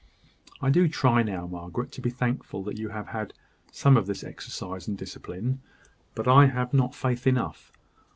I do try now, Margaret, to be thankful that you have had some of this exercise and discipline; but I have not faith enough.